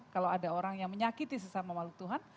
kalau ada orang yang menyakiti sesama makhluk tuhan